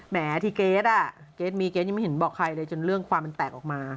แม้ที่เกรทอ่ะเกรทมีเกรทยังไม่เห็นบอกใครเลยจนเรื่องความมันแตกออกมา